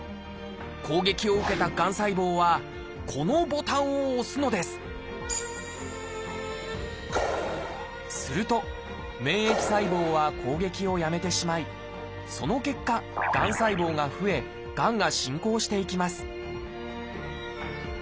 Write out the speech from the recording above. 攻撃を受けたがん細胞はこのボタンを押すのですすると免疫細胞は攻撃をやめてしまいその結果がん細胞が増えがんが進行していきます